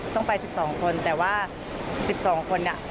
ต้องไป๑๒คนแต่ว่า๑๒คน